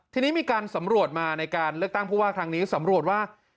ทีนี้มีการสำรวจมาในการเลือกตั้งผู้ว่าครั้งนี้สำรวจว่า